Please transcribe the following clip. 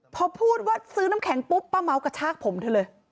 พอพูดว่าซื้อน้ำแข็งปุ๊บป้าเม้ากระชากผมเธอเลย